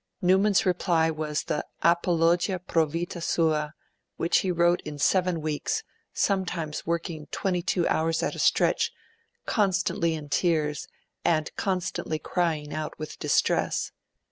Newman's reply was the Apologia pro Vita Sua, which he wrote in seven weeks, sometimes working twenty two hours at a stretch, 'constantly in tears, and constantly crying out with distress'.